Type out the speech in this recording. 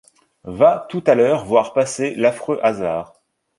Va tout à l'heure voir passer l'affreux hasard